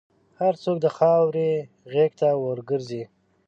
هر څوک د خاورې غېږ ته ورګرځي.